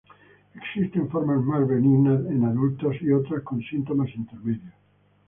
Existen formas más benignas en adultos y otras con síntomas intermedios.